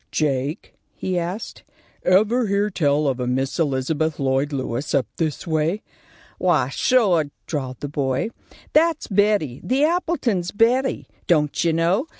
"Jake," he asked, "ever hear tell of a Miss Elizabeth Lloyd Lewis up this way?" "Wy, sure!" drawled the boy. "That's Betty. The Appletons' Betty. Don't you know?